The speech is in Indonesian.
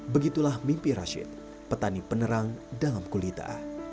begitulah mimpi rashid petani penerang dalam kulita